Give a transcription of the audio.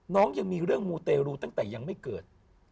ยังมีเรื่องมูเตรูตั้งแต่ยังไม่เกิด